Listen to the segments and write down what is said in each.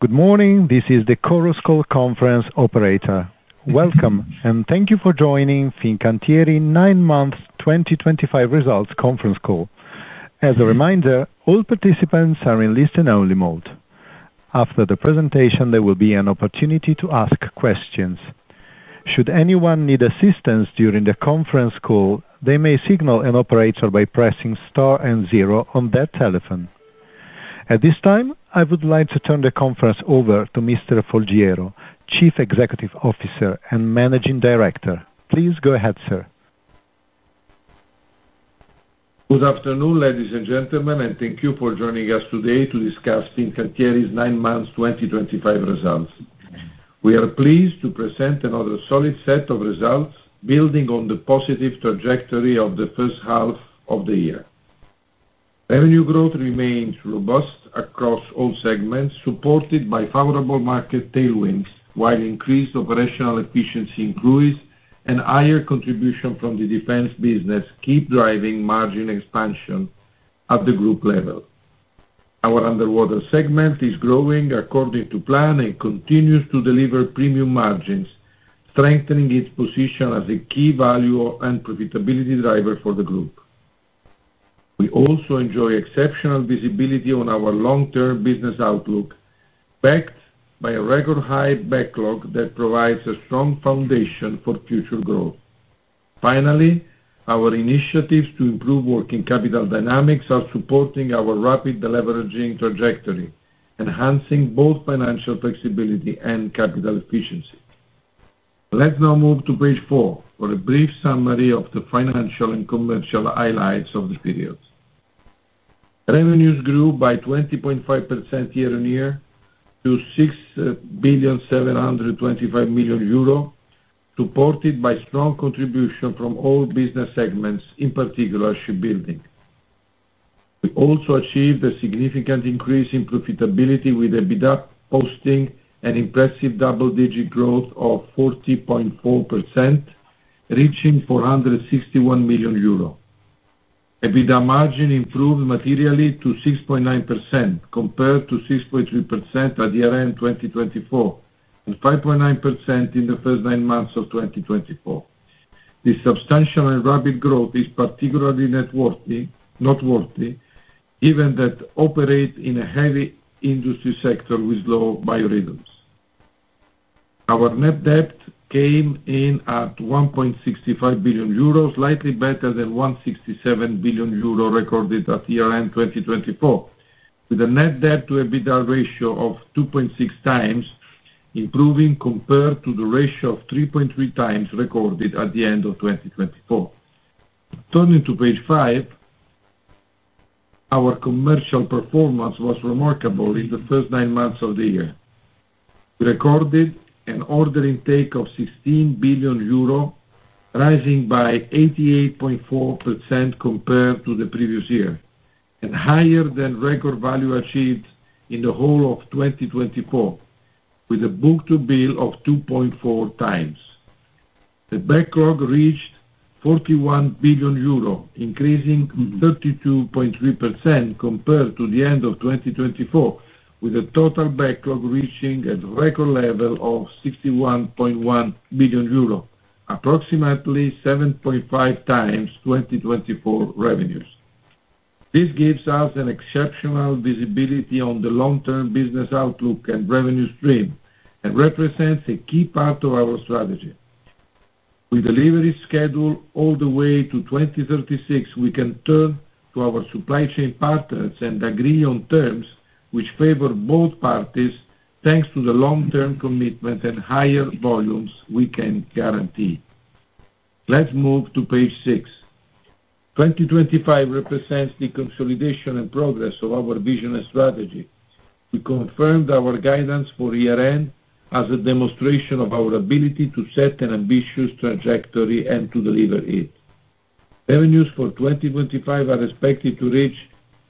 Good morning, this is the Chorus Call Conference Operator. Welcome, and thank you for joining Fincantieri nine months 2025 results conference call. As a reminder, all participants are in listen-only mode. After the presentation, there will be an opportunity to ask questions. Should anyone need assistance during the conference call, they may signal an operator by pressing Star and Zero on their telephone. At this time, I would like to turn the conference over to Mr. Folgiero, Chief Executive Officer and Managing Director. Please go ahead, sir. Good afternoon, ladies and gentlemen, and thank you for joining us today to discuss Fincantieri's nine months 2025 results. We are pleased to present another solid set of results, building on the positive trajectory of the first half of the year. Revenue growth remains robust across all segments, supported by favorable market tailwinds, while increased operational efficiency in cruise and higher contribution from the defense business keep driving margin expansion at the group level. Our underwater segment is growing according to plan and continues to deliver premium margins, strengthening its position as a key value and profitability driver for the group. We also enjoy exceptional visibility on our long-term business outlook, backed by a record-high backlog that provides a strong foundation for future growth. Finally, our initiatives to improve working capital dynamics are supporting our rapid leveraging trajectory, enhancing both financial flexibility and capital efficiency. Let's now move to page four for a brief summary of the financial and commercial highlights of the period. Revenues grew by 20.5% year-on-year to 6,725,000,000 euro, supported by strong contribution from all business segments, in particular shipbuilding. We also achieved a significant increase in profitability with EBITDA posting an impressive double-digit growth of 40.4%, reaching 461 million euro. EBITDA margin improved materially to 6.9%, compared to 6.3% at year-end 2024 and 5.9% in the first nine months of 2024. This substantial and rapid growth is particularly noteworthy, given that we operate in a heavy industry sector with low biorhythms. Our net debt came in at 1.65 billion euros, slightly better than 1.67 billion euro recorded at year-end 2024, with a net debt-to-EBITDA ratio of 2.6x improving compared to the ratio of 3.3x recorded at the end of 2024. Turning to page five, our commercial performance was remarkable in the first nine months of the year. We recorded an order intake of 16 billion euro, rising by 88.4% compared to the previous year, and higher than record value achieved in the whole of 2024, with a book-to-bill of 2.4x. The backlog reached 41 billion euro, increasing 32.3% compared to the end of 2024, with a total backlog reaching a record level of 61.1 billion euro, approximately 7.5x 2024 revenues. This gives us an exceptional visibility on the long-term business outlook and revenue stream, and represents a key part of our strategy. With delivery scheduled all the way to 2036, we can turn to our supply chain partners and agree on terms which favor both parties, thanks to the long-term commitment and higher volumes we can guarantee. Let's move to page six. 2025 represents the consolidation and progress of our vision and strategy. We confirmed our guidance for year-end as a demonstration of our ability to set an ambitious trajectory and to deliver it. Revenues for 2025 are expected to reach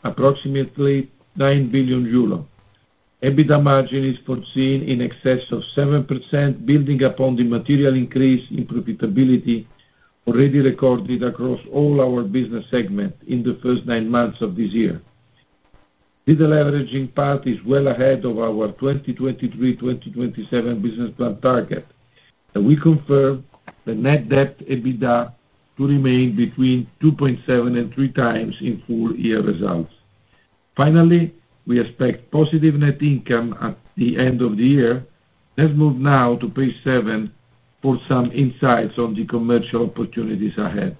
approximately 9 billion euro. EBITDA margin is foreseen in excess of 7%, building upon the material increase in profitability already recorded across all our business segments in the first nine months of this year. EBITDA leveraging path is well ahead of our 2023-2027 business plan target, and we confirm the net debt/EBITDA to remain between 2.7-3x in full-year results. Finally, we expect positive net income at the end of the year. Let's move now to page seven for some insights on the commercial opportunities ahead.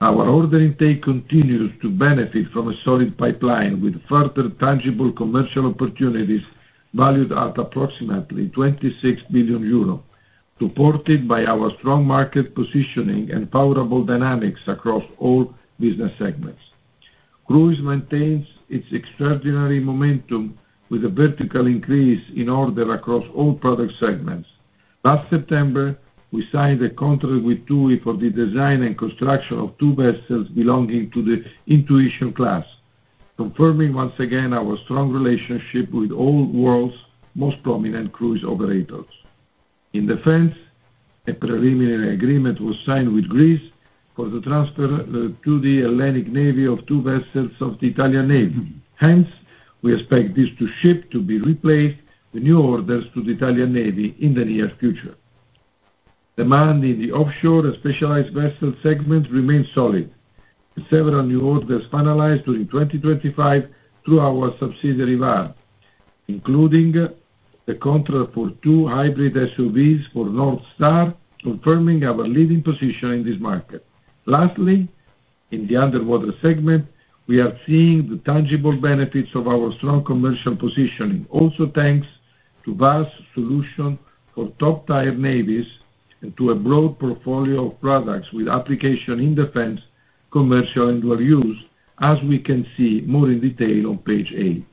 Our order intake continues to benefit from a solid pipeline, with further tangible commercial opportunities valued at approximately 26 billion euros, supported by our strong market positioning and favorable dynamics across all business segments. Cruise maintains its extraordinary momentum with a vertical increase in order across all product segments. Last September, we signed a contract with TUI for the design and construction of two vessels belonging to the InTUItion class, confirming once again our strong relationship with all world's most prominent cruise operators. In defense, a preliminary agreement was signed with Greece for the transfer to the Hellenic Navy of two vessels of the Italian Navy. Hence, we expect these two ships to be replaced with new orders to the Italian Navy in the near future. Demand in the offshore and specialized vessel segment remains solid. Several new orders finalized during 2025 through our subsidiary VARD, including the contract for two hybrid SOVs for North Star, confirming our leading position in this market. Lastly, in the underwater segment, we are seeing the tangible benefits of our strong commercial positioning, also thanks to vast solutions for top-tier navies and to a broad portfolio of products with application in defense, commercial, and world use, as we can see more in detail on page eight.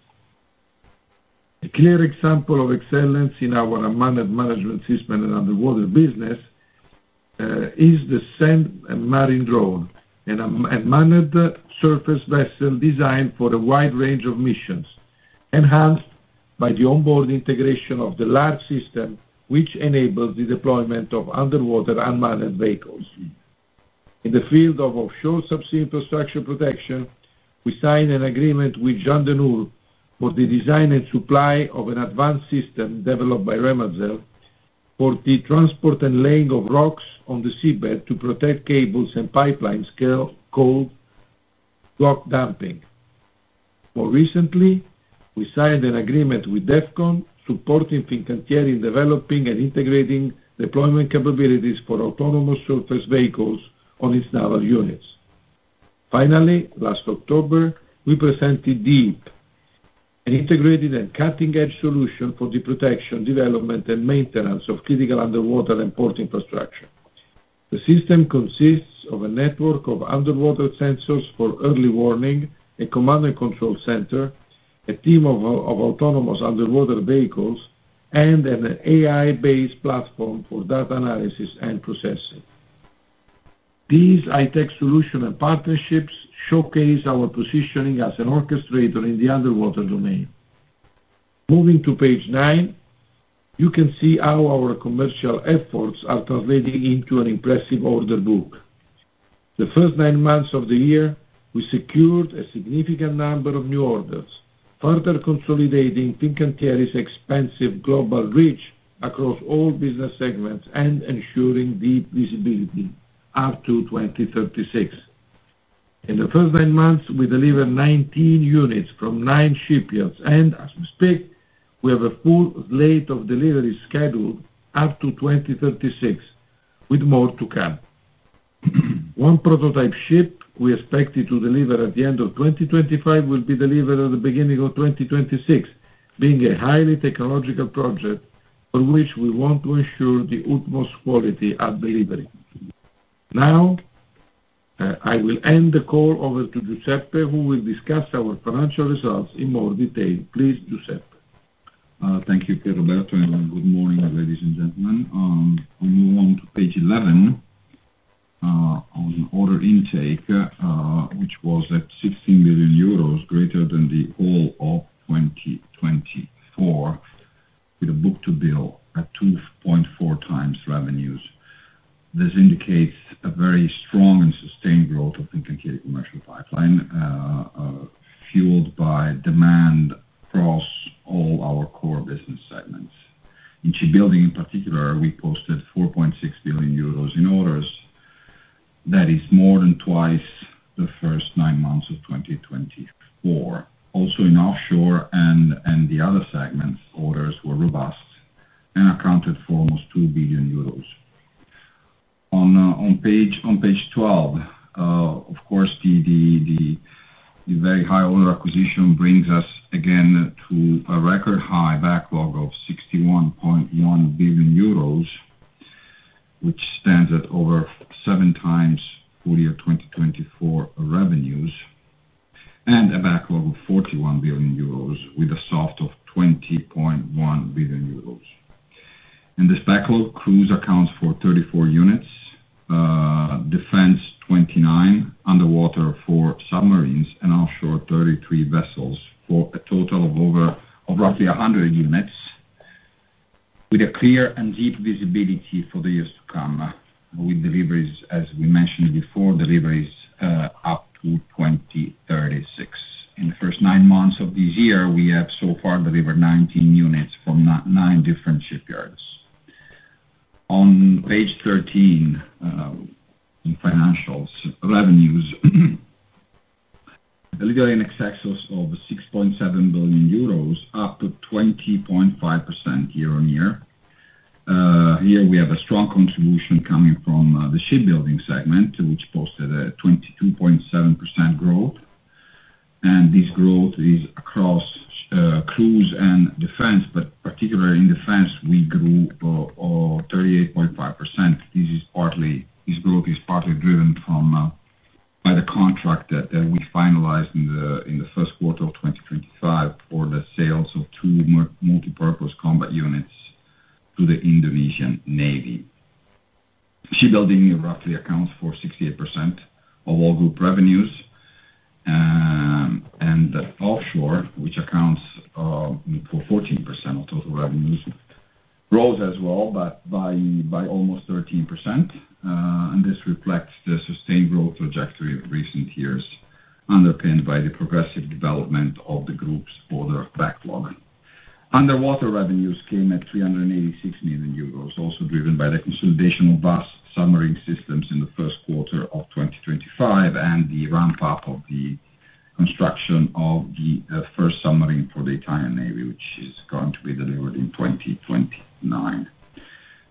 A clear example of excellence in our unmanned management system and underwater business is the SEM marine drone, an unmanned surface vessel designed for a wide range of missions, enhanced by the onboard integration of the large system, which enables the deployment of underwater unmanned vehicles. In the field of offshore subsea infrastructure protection, we signed an agreement with Jan De Nul for the design and supply of an advanced system developed by Remazel for the transport and laying of rocks on the seabed to protect cables and pipelines called rock dumping. More recently, we signed an agreement with Defcomm supporting Fincantieri in developing and integrating deployment capabilities for autonomous surface vehicles on its naval units. Finally, last October, we presented DEEP, an integrated and cutting-edge solution for the protection, development, and maintenance of critical underwater and port infrastructure. The system consists of a network of underwater sensors for early warning, a command and control center, a team of autonomous underwater vehicles, and an AI-based platform for data analysis and processing. These high-tech solutions and partnerships showcase our positioning as an orchestrator in the underwater domain. Moving to page nine, you can see how our commercial efforts are translating into an impressive order book. The first nine months of the year, we secured a significant number of new orders, further consolidating Fincantieri's expansive global reach across all business segments and ensuring deep visibility up to 2036. In the first nine months, we delivered 19 units from nine shipyards, and as we speak, we have a full slate of deliveries scheduled up to 2036, with more to come. One prototype ship we expected to deliver at the end of 2025 will be delivered at the beginning of 2026, being a highly technological project for which we want to ensure the utmost quality at delivery. Now, I will end the call over to Giuseppe, who will discuss our financial results in more detail. Please, Giuseppe. Thank you, Pierroberto. Good morning, ladies and gentlemen. I'll move on to page 11 on order intake, which was at 16 billion euros, greater than the all of 2024, with a book-to-bill at 2.4x revenues. This indicates a very strong and sustained growth of Fincantieri's commercial pipeline, fueled by demand across all our core business segments. In shipbuilding, in particular, we posted 4.6 billion euros in orders. That is more than twice the first nine months of 2024. Also, in offshore and the other segments, orders were robust and accounted for almost 2 billion euros. On page 12, of course, the very high order acquisition brings us again to a record high backlog of 61.1 billion euros, which stands at over 7x full-year 2024 revenues, and a backlog of 41 billion euros, with a soft of 20.1 billion euros. This backlog cruise accounts for 34 units, defense 29, underwater 4 submarines, and offshore 33 vessels, for a total of roughly 100 units, with a clear and deep visibility for the years to come with deliveries, as we mentioned before, deliveries up to 2036. In the first nine months of this year, we have so far delivered 19 units from nine different shipyards. On page 13, in financials, revenues, delivery in excess of 6.7 billion euros, up to 20.5% year-on-year. Here, we have a strong contribution coming from the shipbuilding segment, which posted a 22.7% growth. This growth is across cruise and defense, but particularly in defense, we grew 38.5%. This growth is partly driven by the contract that we finalized in the first quarter of 2025 for the sales of two multipurpose combat units to the Indonesian Navy. Shipbuilding roughly accounts for 68% of all group revenues, and offshore, which accounts for 14% of total revenues, rose as well, but by almost 13%. This reflects the sustained growth trajectory of recent years, underpinned by the progressive development of the group's order backlog. Underwater revenues came at 386 million euros, also driven by the consolidation of WASS Submarine Systems in the first quarter of 2025 and the ramp-up of the construction of the first submarine for the Italian Navy, which is going to be delivered in 2029.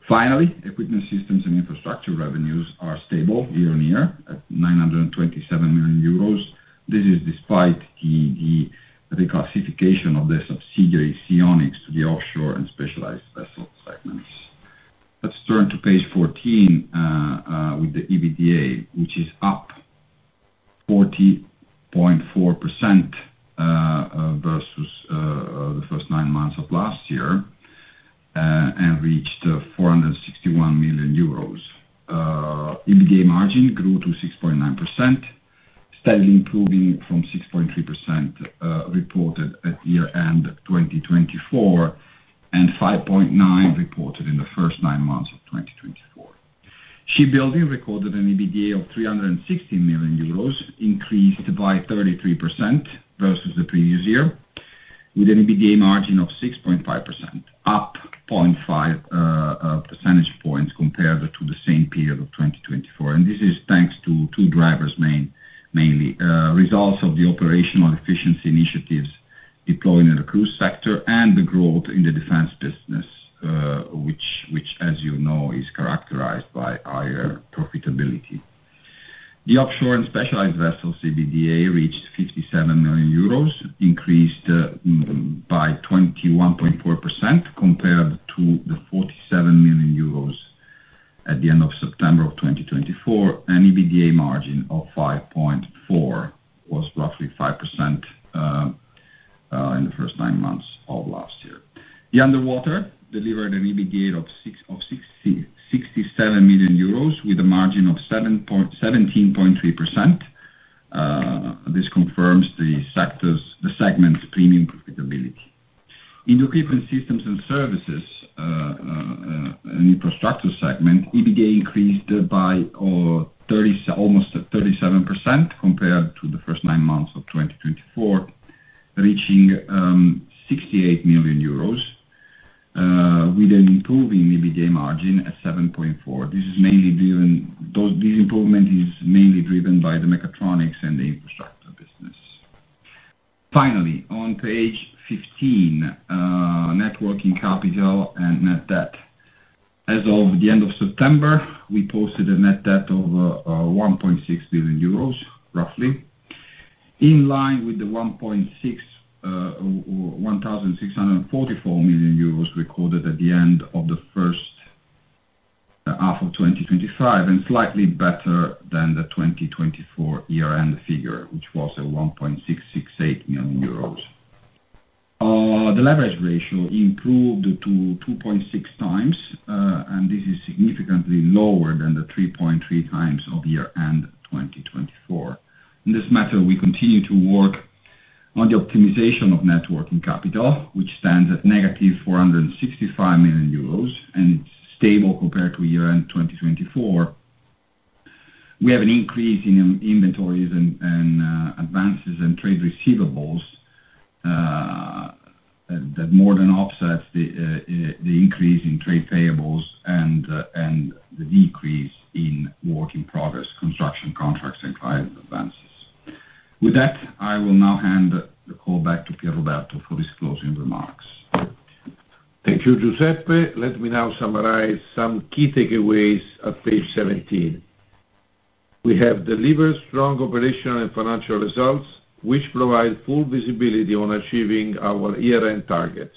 Finally, equipment systems and infrastructure revenues are stable year-on-year at 927 million euros. This is despite the reclassification of the subsidiary SIONIX to the offshore and specialized vessel segments. Let's turn to page 14 with the EBITDA, which is up 40.4% versus the first nine months of last year and reached 461 million euros. EBITDA margin grew to 6.9%, steadily improving from 6.3% reported at year-end 2024 and 5.9% reported in the first nine months of 2024. Shipbuilding recorded an EBITDA of 316 million euros, increased by 33% versus the previous year, with an EBITDA margin of 6.5%, up 0.5 percentage points compared to the same period of 2024. This is thanks to two drivers mainly: results of the operational efficiency initiatives deployed in the cruise sector and the growth in the defense business, which, as you know, is characterized by higher profitability. The offshore and specialized vessels EBITDA reached 57 million euros, increased by 21.4% compared to the 47 million euros at the end of September of 2024, and EBITDA margin of 5.4% was roughly 5% in the first nine months of last year. The underwater delivered an EBITDA of 67 million euros with a margin of 17.3%. This confirms the segment's premium profitability. In the equipment systems and services and infrastructure segment, EBITDA increased by almost 37% compared to the first nine months of 2024, reaching 68 million euros, with an improving EBITDA margin at 7.4%. This is mainly driven, this improvement is mainly driven by the mechatronics and the infrastructure business. Finally, on page 15, working capital and net debt. As of the end of September, we posted a net debt of 1.6 billion euros, roughly in line with the 1,644 million euros recorded at the end of the first half of 2025 and slightly better than the 2024 year-end figure, which was 1.668 million euros. The leverage ratio improved to 2.6x, and this is significantly lower than the 3.3x of year-end 2024. In this matter, we continue to work on the optimization of working capital, which stands at -465 million euros, and it's stable compared to year-end 2024. We have an increase in inventories and advances and trade receivables that more than offsets the increase in trade payables and the decrease in work in progress, construction contracts, and client advances. With that, I will now hand the call back to Pierroberto for his closing remarks. Thank you, Giuseppe. Let me now summarize some key takeaways at page 17. We have delivered strong operational and financial results, which provide full visibility on achieving our year-end targets.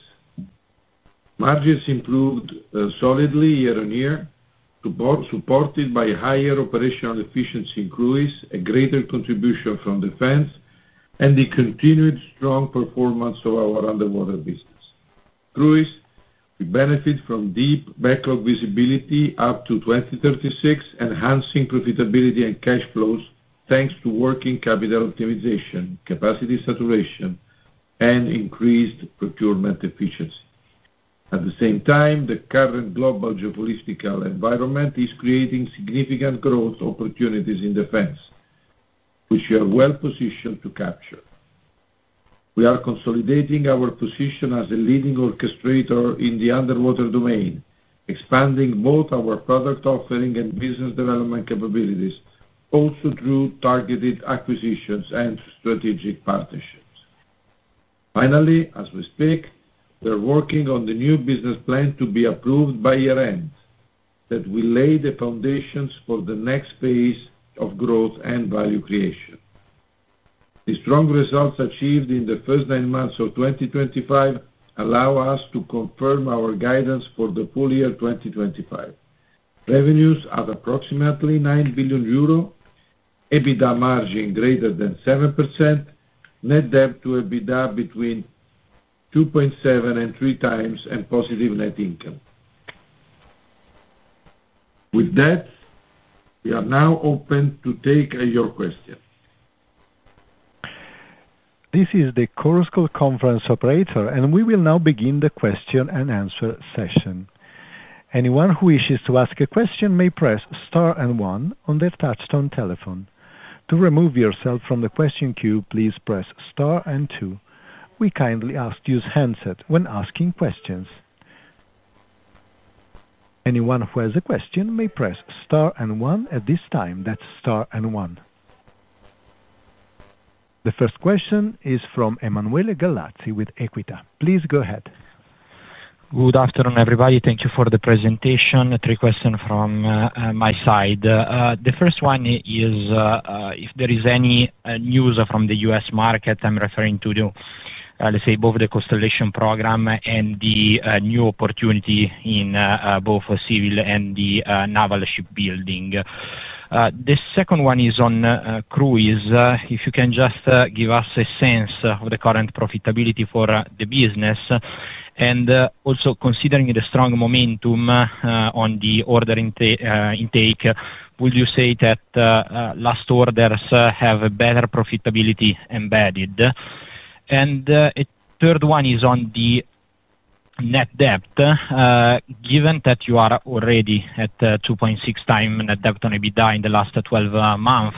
Margins improved solidly year-on-year, supported by higher operational efficiency in cruise, a greater contribution from defense, and the continued strong performance of our underwater business. Cruise, we benefit from deep backlog visibility up to 2036, enhancing profitability and cash flows thanks to working capital optimization, capacity saturation, and increased procurement efficiency. At the same time, the current global geopolitical environment is creating significant growth opportunities in defense, which we are well positioned to capture. We are consolidating our position as a leading orchestrator in the underwater domain, expanding both our product offering and business development capabilities, also through targeted acquisitions and strategic partnerships. Finally, as we speak, we are working on the new business plan to be approved by year-end that will lay the foundations for the next phase of growth and value creation. The strong results achieved in the first nine months of 2025 allow us to confirm our guidance for the full year 2025. Revenues at approximately 9 billion euro, EBITDA margin greater than 7%, net debt to EBITDA between 2.7x and 3x, and positive net income. With that, we are now open to take your questions. This is the Chorus Call Conference Operator, and we will now begin the question-and-answer session. Anyone who wishes to ask a question may press Star and One on their touchstone telephone. To remove yourself from the question queue, please press Star and Two. We kindly ask to use handset when asking questions. Anyone who has a question may press Star and One at this time. That's Star and One. The first question is from Emanuele Gallazzi with EQUITA. Please go ahead. Good afternoon, everybody. Thank you for the presentation. Three questions from my side. The first one is if there is any news from the U.S. market. I'm referring to, let's say, both the Constellation program and the new opportunity in both civil and the naval shipbuilding. The second one is on cruise. If you can just give us a sense of the current profitability for the business and also considering the strong momentum on the order intake, would you say that last orders have a better profitability embedded? And a third one is on the net debt. Given that you are already at 2.6x net debt on EBITDA in the last 12 months,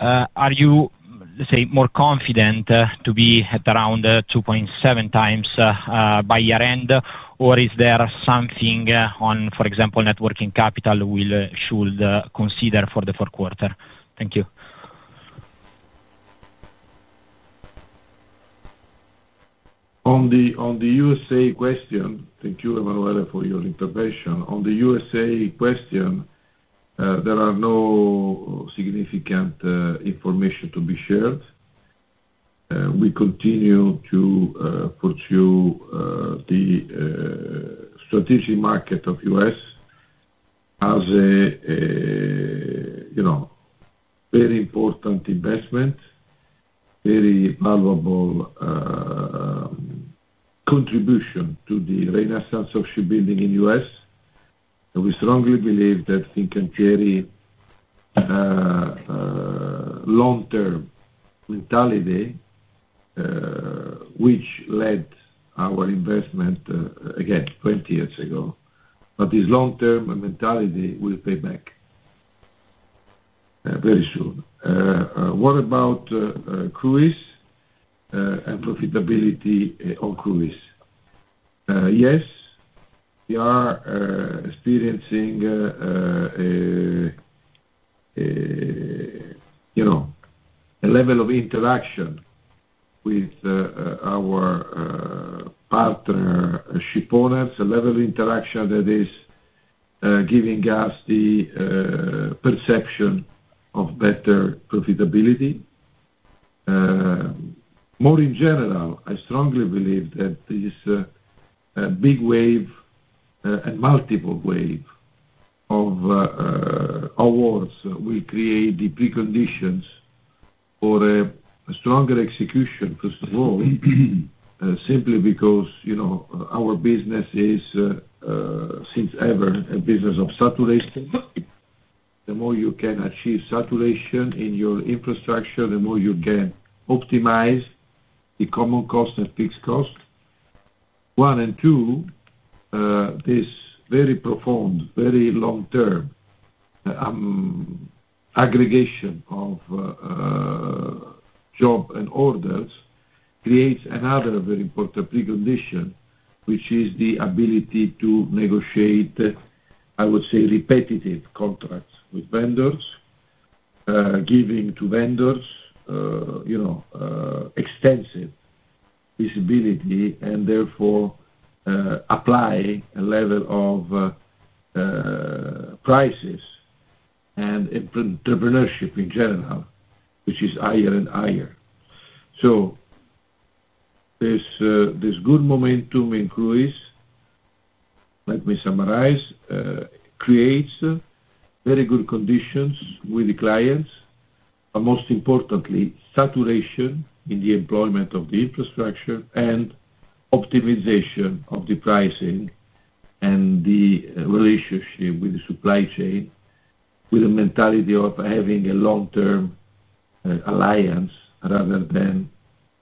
are you, let's say, more confident to be at around 2.7x by year-end, or is there something on, for example, working capital we should consider for the fourth quarter? Thank you. On the U.S.A. question, thank you, Emanuele, for your intervention. On the U.S.A. question, there are no significant information to be shared. We continue to pursue the strategic market of the U.S. as a very important investment, very valuable contribution to the renaissance of shipbuilding in the U.S. We strongly believe that things can carry a long-term mentality, which led our investment, again, 20 years ago. This long-term mentality will pay back very soon. What about cruise and profitability on cruise? Yes, we are experiencing a level of interaction with our partner shipowners, a level of interaction that is giving us the perception of better profitability. More in general, I strongly believe that this big wave and multiple wave of awards will create the preconditions for a stronger execution, first of all, simply because our business is, since ever, a business of saturation. The more you can achieve saturation in your infrastructure, the more you can optimize the common cost and fixed cost. One and two, this very profound, very long-term aggregation of job and orders creates another very important precondition, which is the ability to negotiate, I would say, repetitive contracts with vendors, giving to vendors extensive visibility and therefore applying a level of prices and entrepreneurship in general, which is higher and higher. This good momentum in cruise, let me summarize, creates very good conditions with the clients, but most importantly, saturation in the employment of the infrastructure and optimization of the pricing and the relationship with the supply chain, with a mentality of having a long-term alliance rather than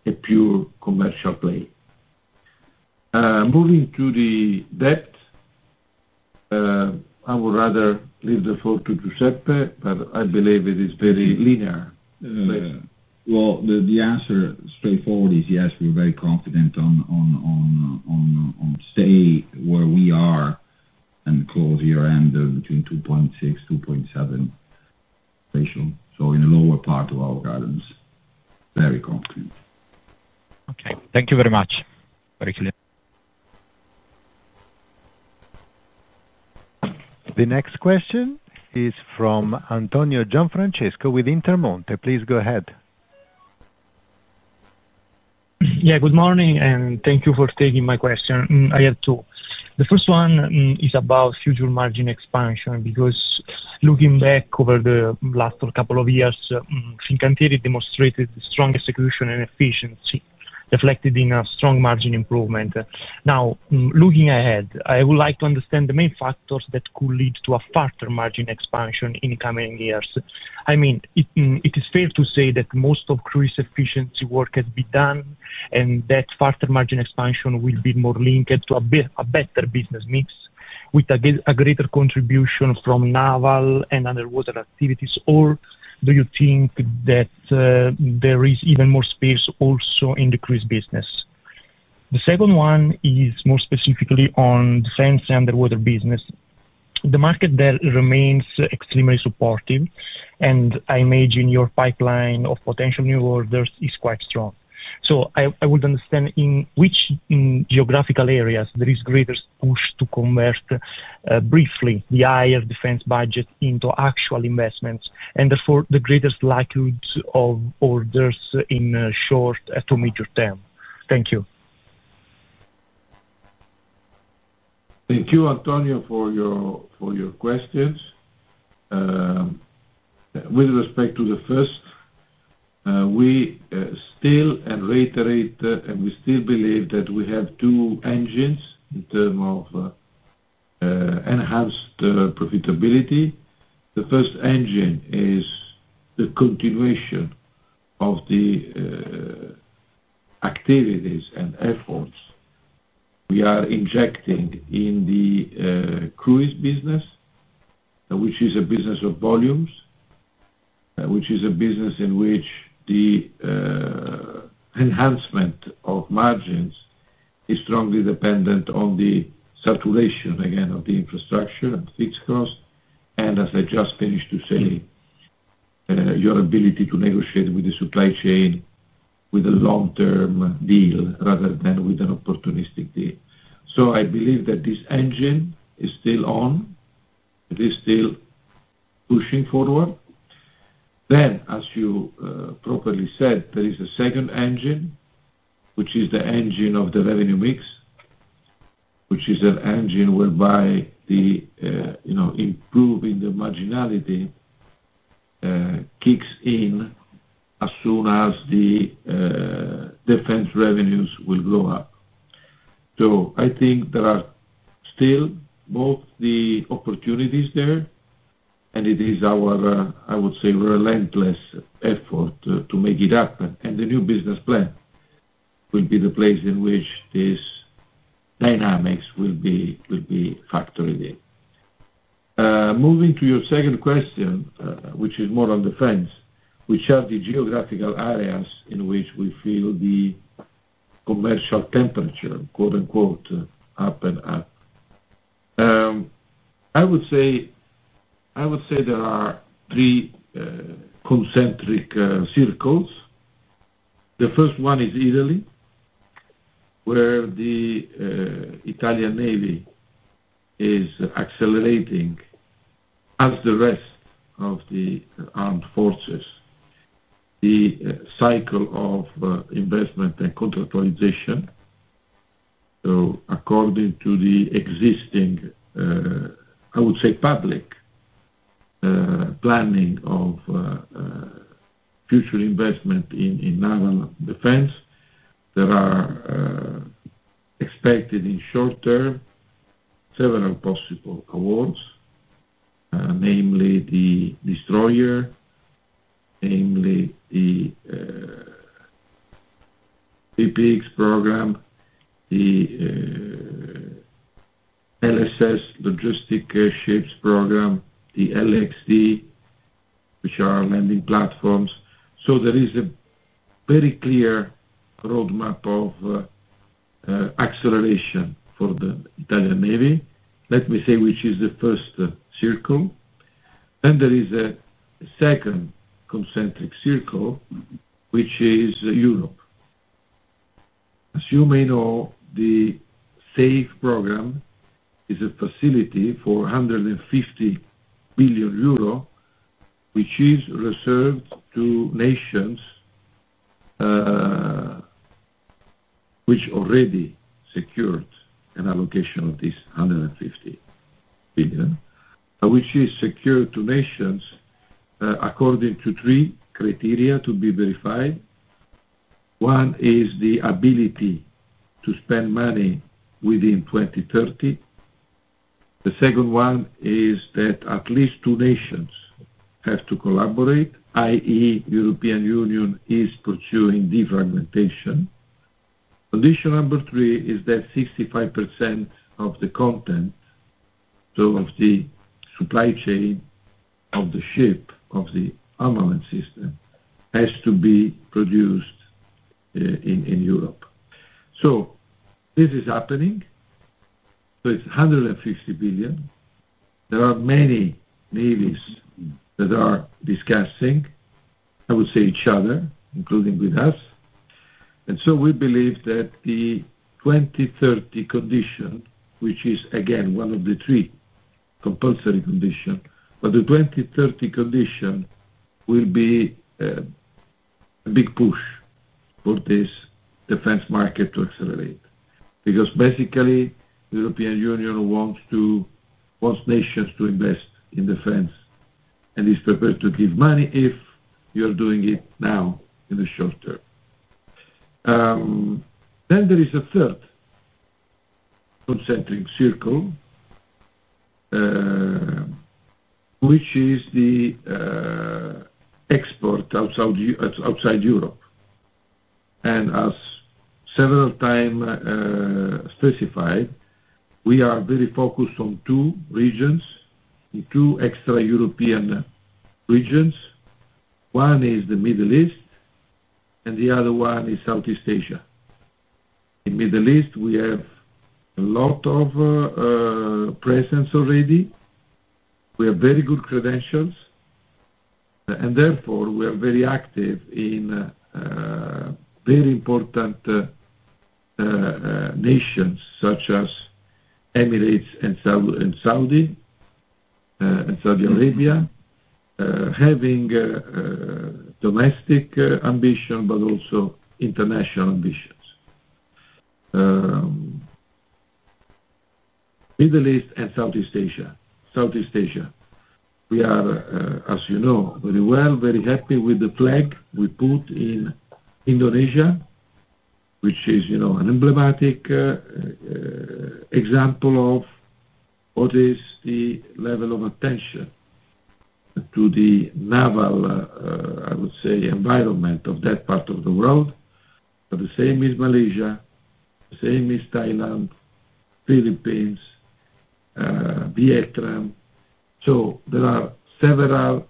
a pure commercial play. Moving to the debt, I would rather leave the floor to Giuseppe, but I believe it is very linear. The answer straightforward is yes, we're very confident on stay where we are and close year-end between 2.6-2.7 ratio, so in the lower part of our gardens. Very confident. Okay. Thank you very much, very clear. The next question is from Antonio Gianfrancesco with Intermonte. Please go ahead. Yeah, good morning, and thank you for taking my question. I have two. The first one is about future margin expansion because looking back over the last couple of years, Fincantieri demonstrated strong execution and efficiency reflected in a strong margin improvement. Now, looking ahead, I would like to understand the main factors that could lead to a further margin expansion in coming years. I mean, is it fair to say that most of cruise efficiency work has been done and that further margin expansion will be more linked to a better business mix with a greater contribution from naval and underwater activities, or do you think that there is even more space also in the cruise business? The second one is more specifically on defense and underwater business. The market remains extremely supportive, and I imagine your pipeline of potential new orders is quite strong. I would understand in which geographical areas there is greater push to convert briefly the higher defense budget into actual investments and therefore the greater likelihood of orders in short to medium term. Thank you. Thank you, Antonio, for your questions. With respect to the first, we still, and reiterate, and we still believe that we have two engines in terms of enhanced profitability. The first engine is the continuation of the activities and efforts we are injecting in the cruise business, which is a business of volumes, which is a business in which the enhancement of margins is strongly dependent on the saturation, again, of the infrastructure and fixed cost. As I just finished to say, your ability to negotiate with the supply chain with a long-term deal rather than with an opportunistic deal. I believe that this engine is still on. It is still pushing forward. As you properly said, there is a second engine, which is the engine of the revenue mix, which is an engine whereby the improving marginality kicks in as soon as the defense revenues will go up. I think there are still both the opportunities there, and it is our, I would say, relentless effort to make it happen. The new business plan will be the place in which these dynamics will be factored in. Moving to your second question, which is more on defense, which are the geographical areas in which we feel the "commercial temperature" up and up. I would say there are three concentric circles. The first one is Italy, where the Italian Navy is accelerating, as the rest of the armed forces, the cycle of investment and contractualization. According to the existing, I would say, public planning of future investment in naval defense, there are expected in short term several possible awards, namely the Destroyer, namely the PPX program, the LSS logistic ships program, the LXD, which are landing platforms. There is a very clear roadmap of acceleration for the Italian Navy, let me say, which is the first circle. There is a second concentric circle, which is Europe. As you may know, the SAFE program is a facility for 150 billion euro, which is reserved to nations which already secured an allocation of this 150 billion, which is secured to nations according to three criteria to be verified. One is the ability to spend money within 2030. The second one is that at least two nations have to collaborate, i.e., the European Union is pursuing defragmentation. Condition number three is that 65% of the content, so of the supply chain of the ship, of the armament system, has to be produced in Europe. This is happening. It is 150 billion. There are many navies that are discussing, I would say, each other, including with us. We believe that the 2030 condition, which is, again, one of the three compulsory conditions, but the 2030 condition will be a big push for this defense market to accelerate because basically the European Union wants nations to invest in defense and is prepared to give money if you are doing it now in the short term. There is a third concentric circle, which is the export outside Europe. As several times specified, we are very focused on two regions, two extra-European regions. One is the Middle East, and the other one is Southeast Asia. In the Middle East, we have a lot of presence already. We have very good credentials. Therefore, we are very active in very important nations such as Emirates and Saudi Arabia, having domestic ambition but also international ambitions. Middle East and Southeast Asia. Southeast Asia. We are, as you know very well, very happy with the flag we put in Indonesia, which is an emblematic example of what is the level of attention to the naval, I would say, environment of that part of the world. The same is Malaysia, the same is Thailand, Philippines, Vietnam. There are several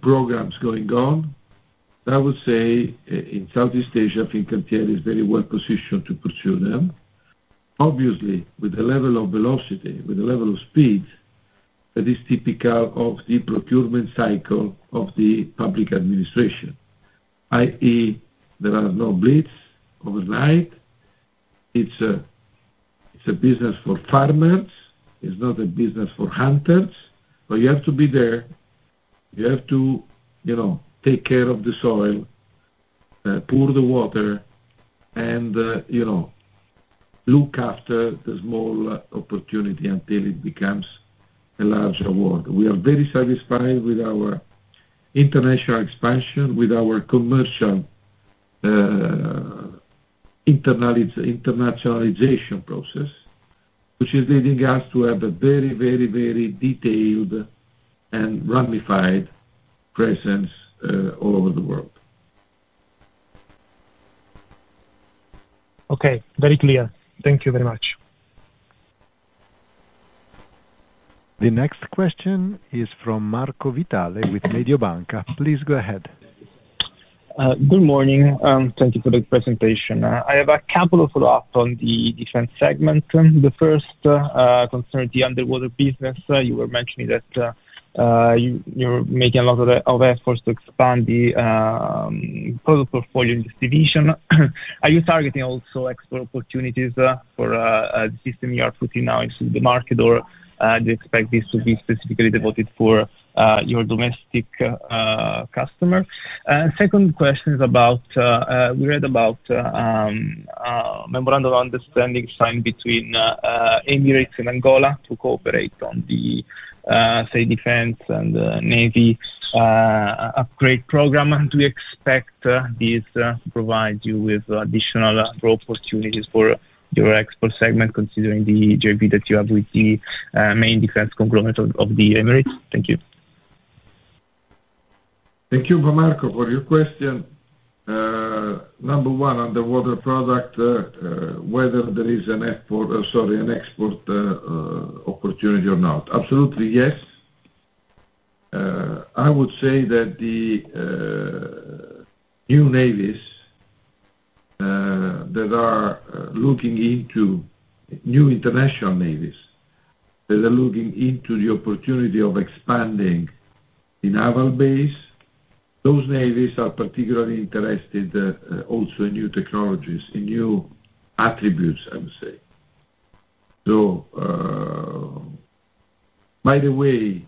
programs going on. I would say in Southeast Asia, Fincantieri is very well positioned to pursue them. Obviously, with the level of velocity, with the level of speed that is typical of the procurement cycle of the public administration, i.e., there are no blitz overnight. It's a business for farmers. It's not a business for hunters. You have to be there. You have to take care of the soil, pour the water, and look after the small opportunity until it becomes a larger world. We are very satisfied with our international expansion, with our commercial internationalization process, which is leading us to have a very, very, very detailed and ramified presence all over the world. Okay. Very clear. Thank you very much. The next question is from Marco Vitale with Mediobanca. Please go ahead. Good morning. Thank you for the presentation. I have a couple of follow-ups on the defense segment. The first concerns the underwater business. You were mentioning that you're making a lot of efforts to expand the product portfolio in this division. Are you targeting also export opportunities for the system you are putting now into the market, or do you expect this to be specifically devoted for your domestic customers? Second question is about we read about a memorandum of understanding signed between Emirates and Angola to cooperate on the, say, defense and navy upgrade program. Do you expect this to provide you with additional growth opportunities for your export segment, considering the GIP that you have with the main defense conglomerate of the Emirates? Thank you. Thank you, Marco, for your question. Number one, underwater product, whether there is an export opportunity or not. Absolutely yes. I would say that the new navies that are looking into new international navies that are looking into the opportunity of expanding the naval base, those navies are particularly interested also in new technologies, in new attributes, I would say. By the way,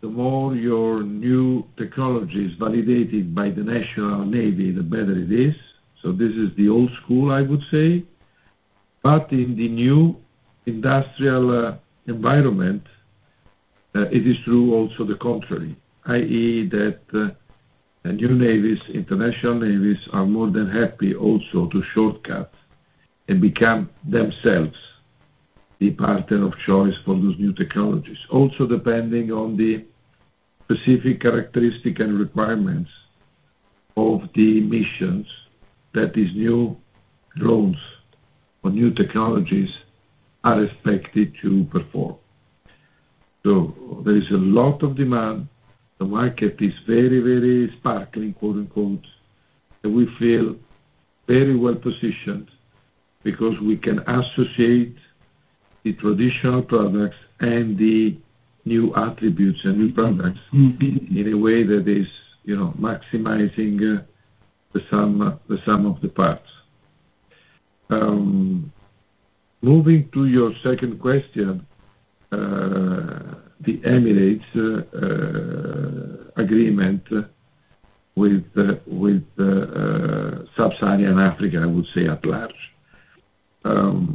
the more your new technology is validated by the national navy, the better it is. This is the old school, I would say. In the new industrial environment, it is true also the contrary, i.e., that new navies, international navies, are more than happy also to shortcut and become themselves the partner of choice for those new technologies, also depending on the specific characteristics and requirements of the missions that these new drones or new technologies are expected to perform. There is a lot of demand. The market is very, very "sparkling," and we feel very well positioned because we can associate the traditional products and the new attributes and new products in a way that is maximizing the sum of the parts. Moving to your second question, the Emirates agreement with sub-Saharan Africa, I would say at large,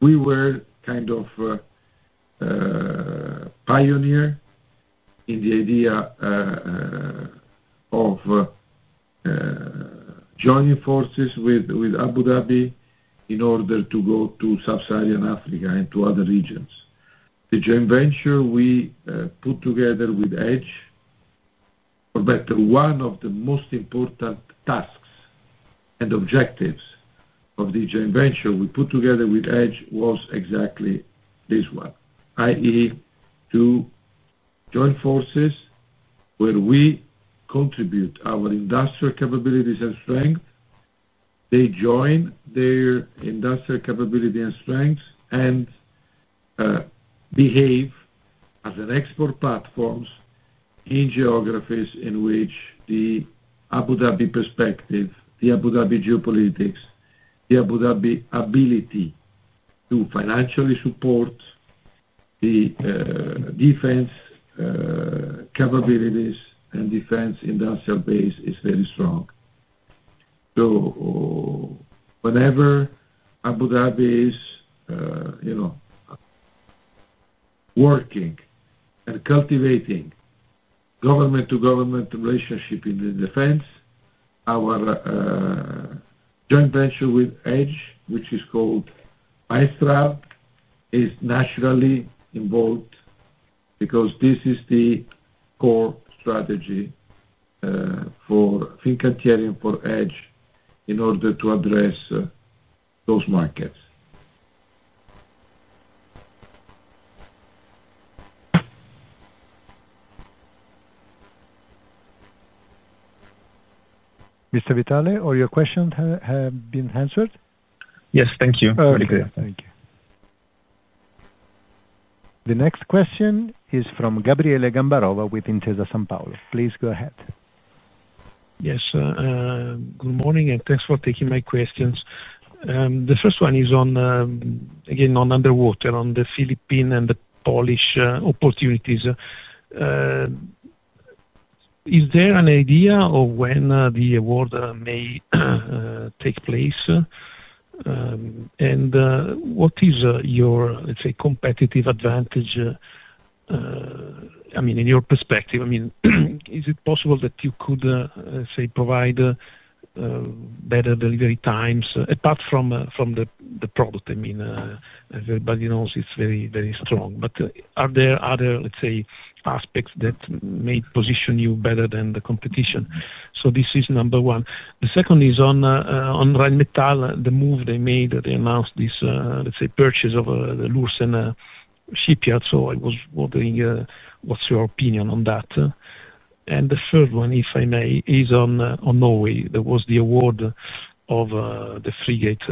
we were kind of pioneers in the idea of joining forces with Abu Dhabi in order to go to sub-Saharan Africa and to other regions. The joint venture we put together with EDGE, or rather one of the most important tasks and objectives of the joint venture we put together with EDGE was exactly this one, i.e., to join forces where we contribute our industrial capabilities and strengths. They join their industrial capability and strengths and behave as export platforms in geographies in which the Abu Dhabi perspective, the Abu Dhabi geopolitics, the Abu Dhabi ability to financially support the defense capabilities and defense industrial base is very strong. Whenever Abu Dhabi is working and cultivating government-to-government relationship in the defense, our joint venture with EDGE, which is called MAESTRAL, is naturally involved because this is the core strategy for Fincantieri and for EDGE in order to address those markets. Mr. Vitale, all your questions have been answered? Yes. Thank you. Very clear. Thank you. The next question is from Gabriele Gambarova with Intesa Sanpaolo. Please go ahead. Yes. Good morning, and thanks for taking my questions. The first one is, again, on underwater, on the Philippine and the Polish opportunities. Is there an idea of when the award may take place? And what is your, let's say, competitive advantage? I mean, in your perspective, I mean, is it possible that you could, let's say, provide better delivery times apart from the product? I mean, everybody knows it's very, very strong. Are there other, let's say, aspects that may position you better than the competition? This is number one. The second is on Rheinmetall, the move they made that they announced this, let's say, purchase of the Lürssen shipyard. I was wondering what's your opinion on that. The third one, if I may, is on Norway. There was the award of the frigate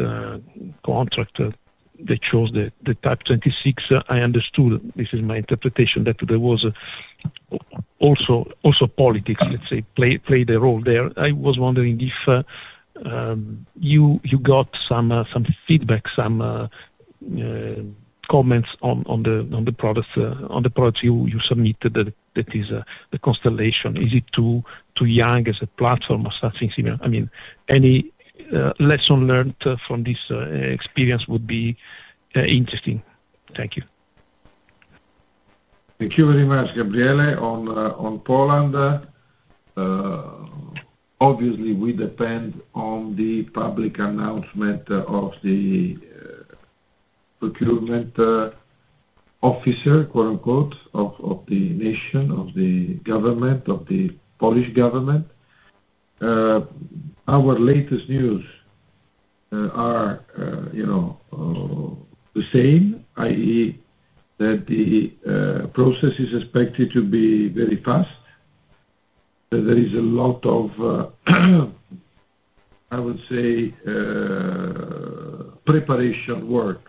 contractor. They chose the Type 26. I understood, this is my interpretation, that there was also politics, let's say, played a role there. I was wondering if you got some feedback, some comments on the products you submitted, that is the Constellation. Is it too young as a platform or something similar? I mean, any lesson learned from this experience would be interesting. Thank you. Thank you very much, Gabriele. On Poland, obviously, we depend on the public announcement of the procurement officer of the nation, of the government, of the Polish government. Our latest news are the same, i.e., that the process is expected to be very fast. There is a lot of, I would say, preparation work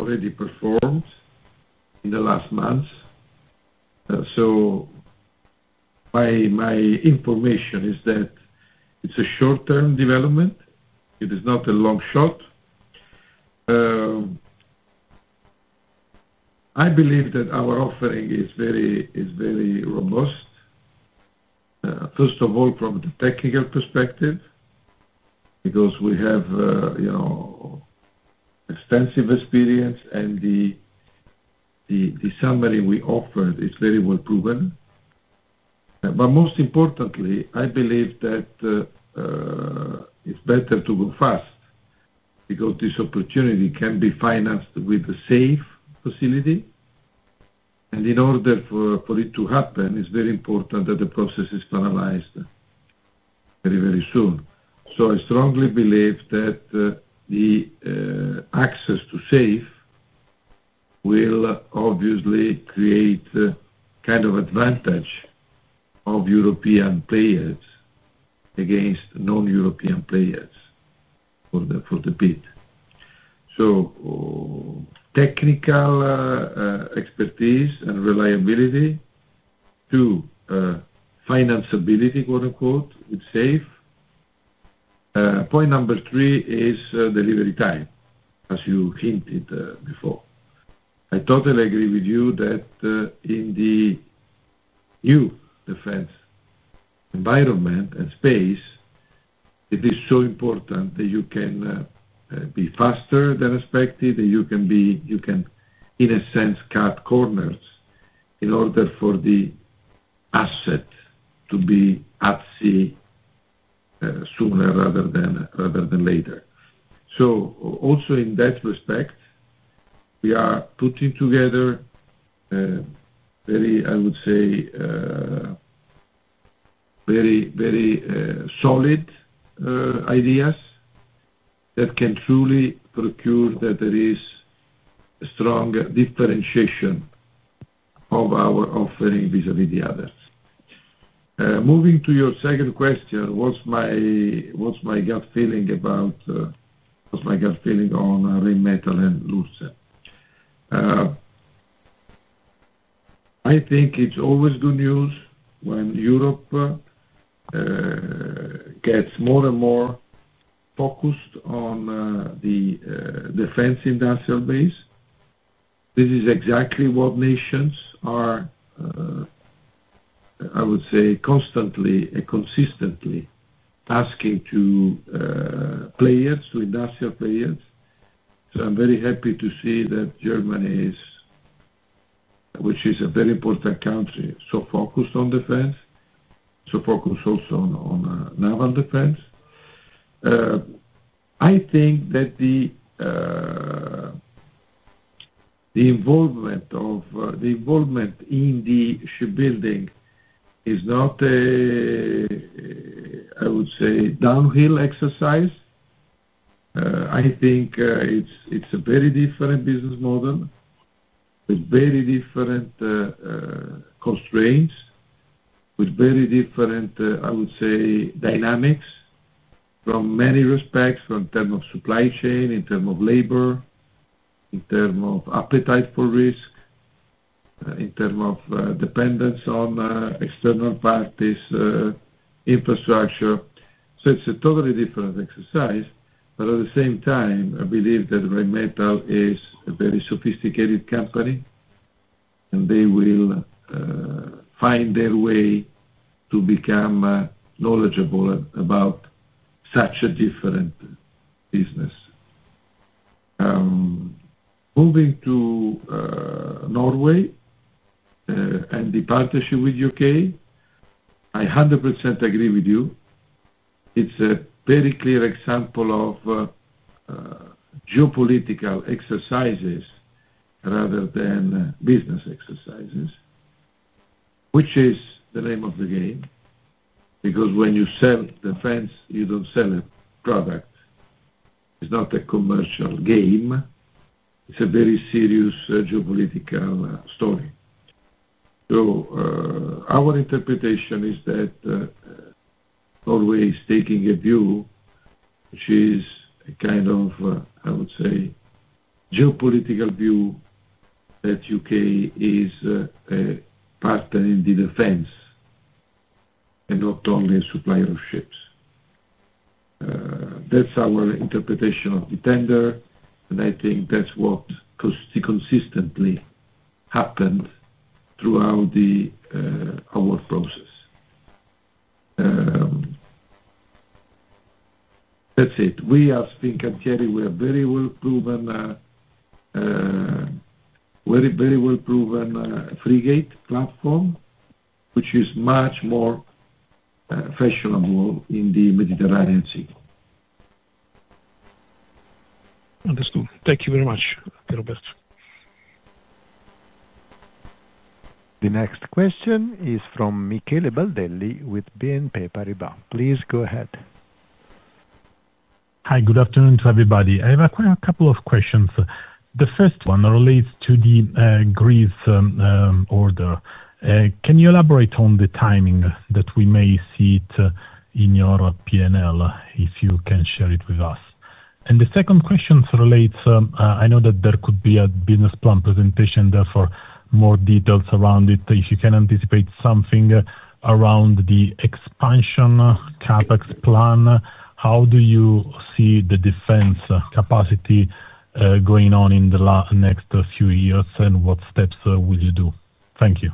already performed in the last months. My information is that it's a short-term development. It is not a long shot. I believe that our offering is very robust, first of all, from the technical perspective because we have extensive experience, and the summary we offered is very well proven. Most importantly, I believe that it's better to go fast because this opportunity can be financed with a SAFE facility. In order for it to happen, it's very important that the process is finalized very, very soon. I strongly believe that the access to SAFE will obviously create kind of advantage of European players against non-European players for the bid. Technical expertise and reliability, too, "financeability" with SAFE. Point number three is delivery time, as you hinted before. I totally agree with you that in the new defense environment and space, it is so important that you can be faster than expected, that you can, in a sense, cut corners in order for the asset to be at sea sooner rather than later. Also in that respect, we are putting together very, I would say, very solid ideas that can truly procure that there is a strong differentiation of our offering vis-à-vis the others. Moving to your second question, what's my gut feeling about what's my gut feeling on Rheinmetall and Lürssen? I think it's always good news when Europe gets more and more focused on the defense industrial base. This is exactly what nations are, I would say, constantly and consistently asking to players, to industrial players. I am very happy to see that Germany, which is a very important country, is so focused on defense, so focused also on naval defense. I think that the involvement in the shipbuilding is not a, I would say, downhill exercise. I think it's a very different business model with very different constraints, with very different, I would say, dynamics from many respects, from terms of supply chain, in terms of labor, in terms of appetite for risk, in terms of dependence on external parties, infrastructure. It is a totally different exercise. At the same time, I believe that Rheinmetall is a very sophisticated company, and they will find their way to become knowledgeable about such a different business. Moving to Norway and the partnership with the U.K., I 100% agree with you. It is a very clear example of geopolitical exercises rather than business exercises, which is the name of the game because when you sell defense, you do not sell a product. It is not a commercial game. It is a very serious geopolitical story. Our interpretation is that Norway is taking a view, which is a kind of, I would say, geopolitical view that the U.K. is a partner in the defense and not only a supplier of ships. That is our interpretation of the tender, and I think that is what consistently happened throughout our process. That is it. We as Fincantieri, we are a very well-proven frigate platform, which is much more fashionable in the Mediterranean Sea. Understood. Thank you very much, Pierroberto. The next question is from Michele Baldelli with BNP Paribas. Please go ahead. Hi. Good afternoon to everybody. I have a couple of questions. The first one relates to the Greece order. Can you elaborate on the timing that we may see it in your P&L if you can share it with us? The second question relates, I know that there could be a business plan presentation, therefore more details around it. If you can anticipate something around the expansion CapEx plan, how do you see the defense capacity going on in the next few years, and what steps will you do? Thank you.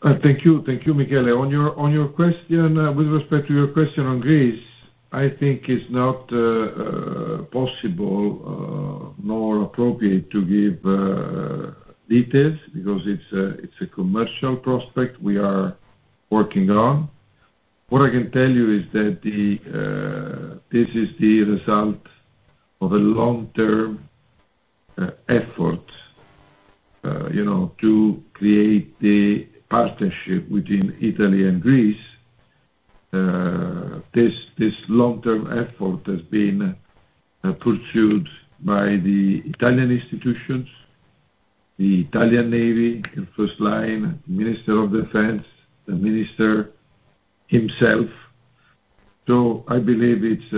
Thank you, Michele. On your question, with respect to your question on Greece, I think it's not possible nor appropriate to give details because it's a commercial prospect we are working on. What I can tell you is that this is the result of a long-term effort to create the partnership between Italy and Greece. This long-term effort has been pursued by the Italian institutions, the Italian Navy in first line, the Minister of Defense, the minister himself. I believe it's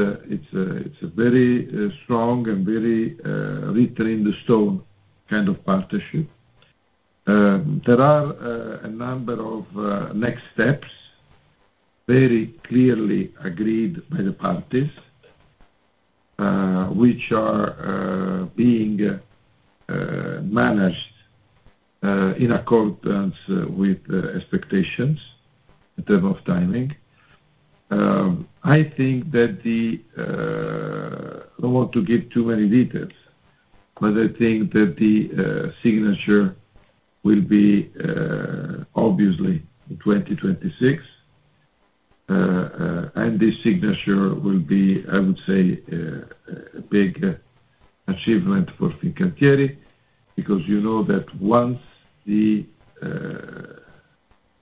a very strong and very written-in-the-stone kind of partnership. There are a number of next steps very clearly agreed by the parties, which are being managed in accordance with expectations in terms of timing. I think that the—I don't want to give too many details, but I think that the signature will be obviously in 2026. This signature will be, I would say, a big achievement for Fincantieri because you know that once the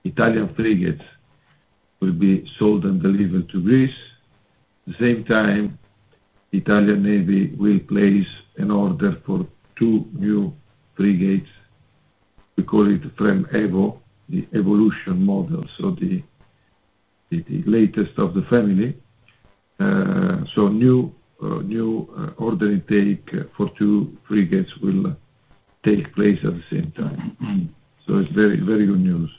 Italian frigates will be sold and delivered to Greece, at the same time, the Italian Navy will place an order for two new frigates. We call it FremEvo, the evolution model, so the latest of the family. New order intake for two frigates will take place at the same time. It is very good news.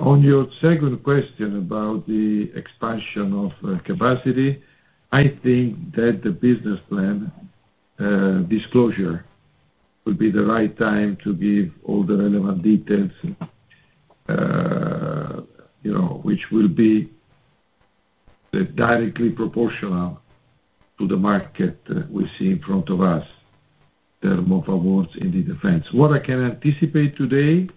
On your second question about the expansion of capacity, I think that the business plan disclosure will be the right time to give all the relevant details, which will be directly proportional to the market we see in front of us in terms of awards in the defense. What I can anticipate today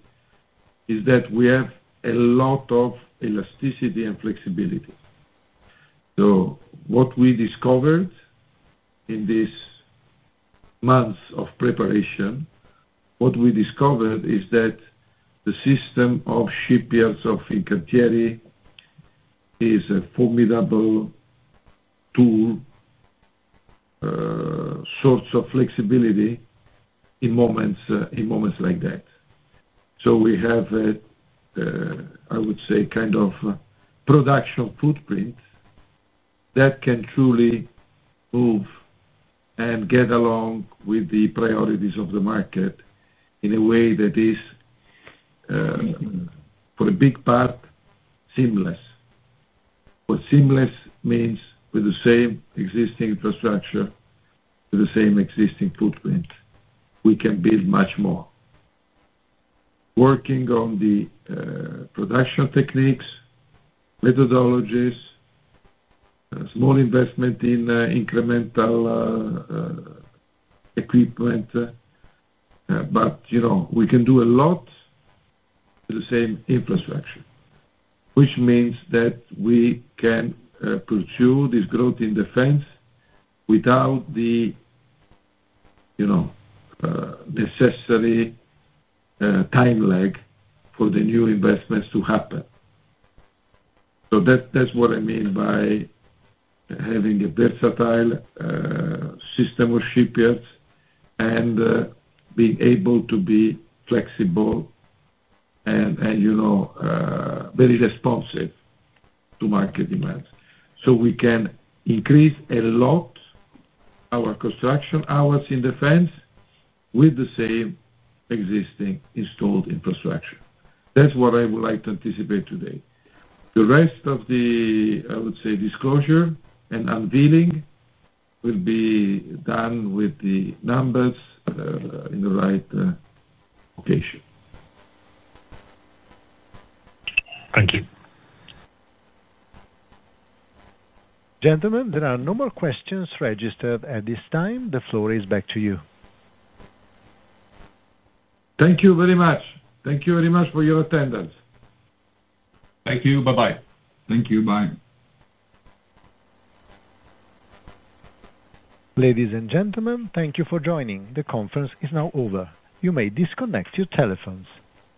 is that we have a lot of elasticity and flexibility. What we discovered in these months of preparation, what we discovered is that the system of shipyards of Fincantieri is a formidable tool, a source of flexibility in moments like that. We have, I would say, kind of a production footprint that can truly move and get along with the priorities of the market in a way that is, for a big part, seamless. Seamless means with the same existing infrastructure, with the same existing footprint, we can build much more. Working on the production techniques, methodologies, small investment in incremental equipment, we can do a lot with the same infrastructure, which means that we can pursue this growth in defense without the necessary time lag for the new investments to happen. That is what I mean by having a versatile system of shipyards and being able to be flexible and very responsive to market demands. We can increase a lot our construction hours in defense with the same existing installed infrastructure. That is what I would like to anticipate today. The rest of the, I would say, disclosure and unveiling will be done with the numbers in the right location. Thank you. Gentlemen, there are no more questions registered at this time. The floor is back to you. Thank you very much. Thank you very much for your attendance. Thank you. Bye-bye. Thank you. Bye. Ladies and gentlemen, thank you for joining. The conference is now over. You may disconnect your telephones.